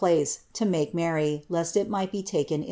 179 3r place, to make merry, lest it might be ill taken.